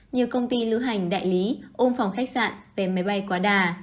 nhiều công ty lưu hành đại lý ôm phòng khách sạn về máy bay quá đà